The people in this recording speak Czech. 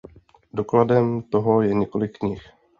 Dokladem toho je několik knih.